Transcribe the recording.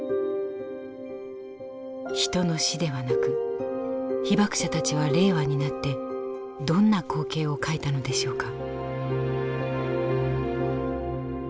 人の死ではなく被爆者たちは令和になってどんな光景を描いたのでしょうか。